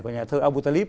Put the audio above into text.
của nhà thơ abu talib